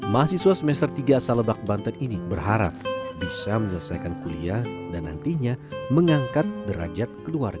mahasiswa semester tiga asal lebak banten ini berharap bisa menyelesaikan kuliah dan nantinya mengangkat derajat keluarga